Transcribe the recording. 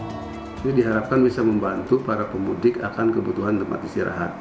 jadi diharapkan bisa membantu para pemudik akan kebutuhan tempat istirahat